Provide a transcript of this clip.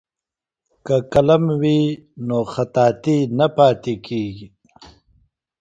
که قلم وي نو خطاطي نه پاتې کیږي.